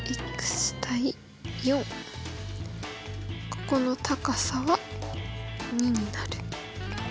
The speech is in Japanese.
ここの高さは２になる。